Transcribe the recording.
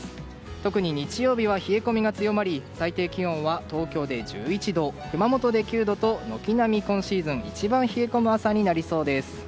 特に日曜日は、冷え込みが強まり最低気温は東京で１１度、熊本で９度と軒並み今シーズン一番冷え込む朝になりそうです。